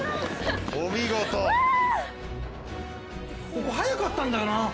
ここ速かったんだよな。